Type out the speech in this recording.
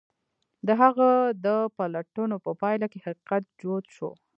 د هغه د پلټنو په پايله کې حقيقت جوت شو.